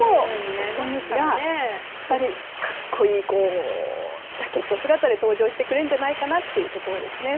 やっぱり格好いいジャケット姿で登場してくれるんじゃないかなというところですね。